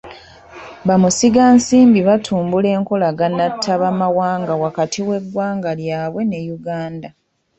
Bamusigansimbi batumbula enkolagana ttabamawanga wakati w'eggwanga ly'abwe ne Uganda.